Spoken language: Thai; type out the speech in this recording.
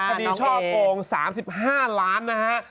สดีชอบโปรง๓๕ล้านนะฮะ